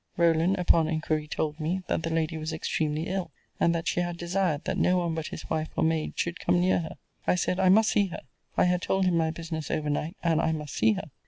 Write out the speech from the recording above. Rowland, upon inquiry, told me, that the lady was extremely ill; and that she had desired, that no one but his wife or maid should come near her. I said, I must see her. I had told him my business over night, and I must see her.